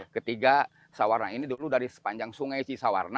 ketiga sewarna ini dulu dari sepanjang sungai sih sewarna ini